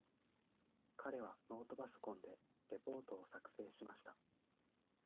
彼はノートパソコンでレポートを作成しました。